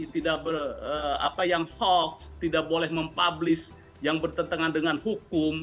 tidak apa yang hoax tidak boleh mempublish yang bertentangan dengan hukum